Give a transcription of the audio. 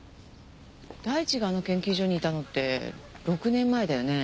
大地があの研究所にいたのって６年前だよね。